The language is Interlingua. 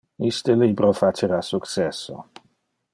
Iste libro facera successo.